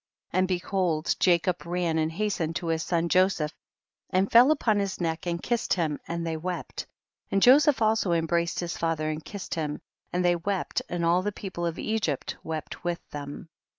15. And behold Jacob ran and hastened to his son Joseph and fell THE BOOK OF JASHER. 179 Upon his neck and kissed him, and they wept, and Joseph also embraced his father and kissed him, and they wept and all the people of Egypt wept with them.